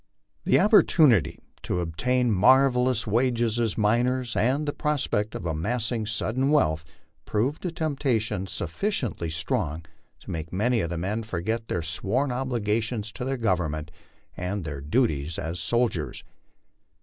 The opportunity to obtain marvellous wages as miners and the pros pect of amassing sudden wealth proved a temptation sufficiently strong to make many of the men forget their sworn obligations to their government and their duties as soldiers.